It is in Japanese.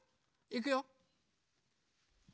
いくよ。